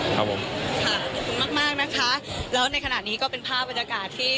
ครับผมค่ะขอบคุณมากมากนะคะแล้วในขณะนี้ก็เป็นภาพบรรยากาศที่